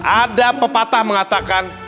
ada pepatah mengatakan